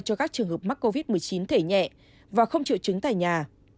cho các trường hợp mắc covid một mươi chín thể nhẹ và không triệu chứng tại nhà